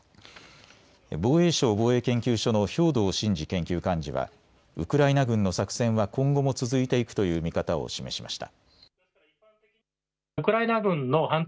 防衛省防衛研究所の兵頭慎治研究幹事はウクライナ軍の作戦は今後も続いていくという見方を示しました。